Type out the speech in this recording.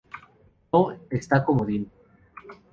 No, está comodín.